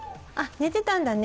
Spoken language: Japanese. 寝てたんだね。